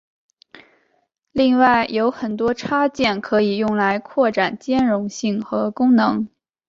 另外有很多插件可以用来扩展兼容性和功能。